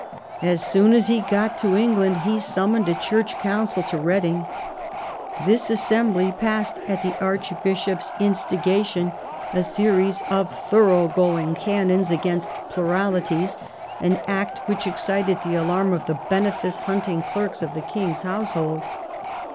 As soon as he got to England he sum moned a Church council to Reading. This assembly passed at the archbishop's instigation a series of thorough IX EDWARD AND THE CHURCH 157 going canons against pluralities, an act which excited the alarm of the benefice hunting clerks of the king's household.